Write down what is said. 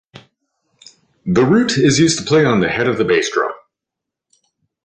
The Rute is used to play on the head of the bass drum.